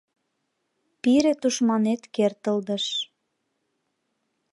Пире тушманет кертылдыш.